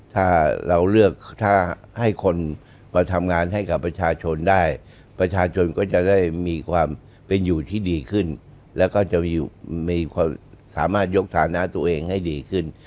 ถ้าเราเลือกถ้าให้คนมาทำงานให้กับประชาชนได้ประชาชนก็จะได้มีความเป็นอยู่ที่ดีขึ้นแล้วก็จะมีความสามารถยกฐานะตัวเองให้ดีขึ้น